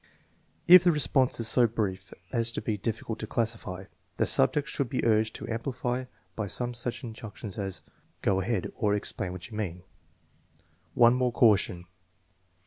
If the response is so brief as to be difficult to classify, the subject should be urged to amplify by some such in junction as " Go ahead," or " Explain what you mean." One more caution.